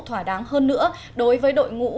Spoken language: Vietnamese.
thỏa đáng hơn nữa đối với đội ngũ